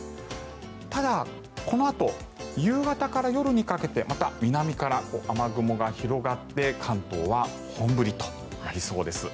ただ、このあと夕方から夜にかけてまた南から雨雲が広がって関東は本降りとなりそうです。